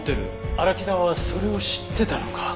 荒木田はそれを知ってたのか。